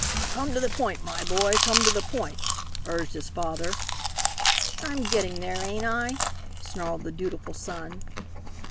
"Come to the point, my boy, come to the point," urged his father. "I'm getting there, ain't I?" snarled the dutiful son.